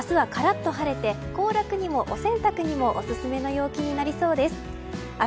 明日はカラッと晴れて行楽にもお洗濯にもオススメな陽気になりそうです。